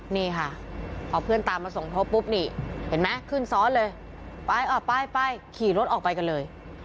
นี่ค่ะพอเพื่อนตามมาสมทบปุ๊บนี่เห็นไหมขึ้นซ้อนเลยไปออกไปไปขี่รถออกไปกันเลย